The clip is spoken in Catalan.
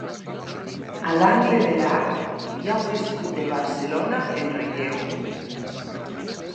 A l'angle de l'arc hi ha un escut de Barcelona en relleu.